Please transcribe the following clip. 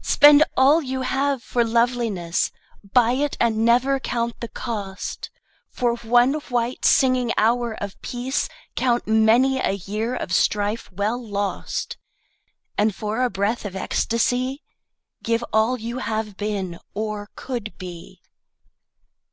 Spend all you have for loveliness, Buy it and never count the cost; For one white singing hour of peace Count many a year of strife well lost, And for a breath of ecstacy Give all you have been, or could be.